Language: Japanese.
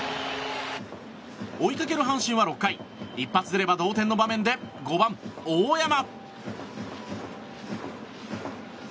追いかける阪神は６回一発出れば同点の場面で５番、大山。